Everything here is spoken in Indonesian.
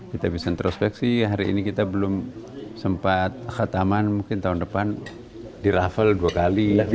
kita bisa introspeksi hari ini kita belum sempat khataman mungkin tahun depan diraffle dua kali